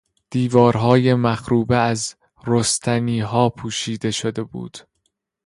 دیوارهای مخروبه از رستنیها پوشیده شده بود.